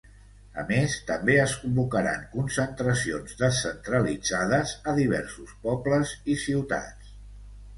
A més, també es convocaran concentracions descentralitzades a diversos pobles i ciutats.